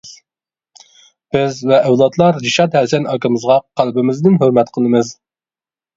بىز ۋە ئەۋلادلار رىشات ھەسەن ئاكىمىزغا قەلبىمىزدىن ھۆرمەت قىلمىز.